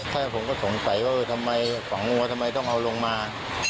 ใช่ผมก็สงสัยว่าทำไมฝังวัวทำไมต้องเอาลงมา